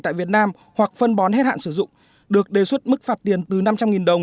tại việt nam hoặc phân bón hết hạn sử dụng được đề xuất mức phạt tiền từ năm trăm linh đồng